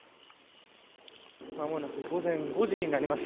間もなく午前５時になります。